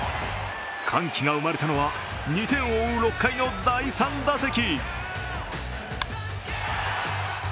歓喜が生まれたのは２点を追う６回の第３打席。